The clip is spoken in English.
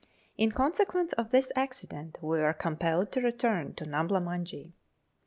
In consequence of this accident we were compelled to return to Numbla Munjee.